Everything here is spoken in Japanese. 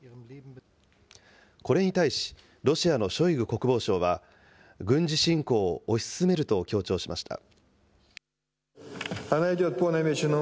これに対し、ロシアのショイグ国防相は、軍事侵攻を推し進めると強調しました。